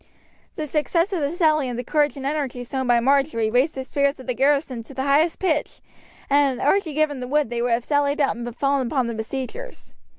The success of the sally and the courage and energy shown by Marjory raised the spirits of the garrison to the highest pitch; and had Archie given the word they would have sallied out and fallen upon the besiegers.